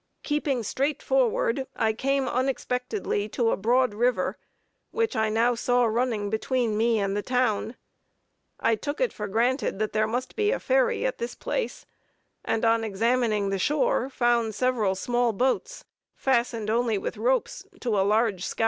Keeping straight forward, I came unexpectedly to a broad river, which I now saw running between me and the town. I took it for granted that there must be a ferry at this place, and on examining the shore, found several small boats fastened only with ropes to a large scow.